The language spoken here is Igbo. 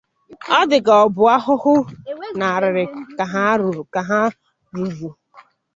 ọ dị ka ọ bụ ahụhụ na arịrị ka a rụụrụ